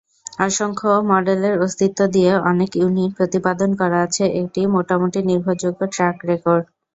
অসংখ্য মডেলের অস্তিত্ব দিয়ে, অনেক ইউনিট প্রতিপাদন করা আছে একটি মোটামুটি নির্ভরযোগ্য ট্র্যাক রেকর্ড।